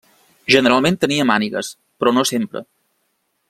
Generalment tenia mànigues però no sempre.